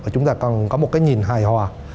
chúng ta còn có một cái nhìn hài hòa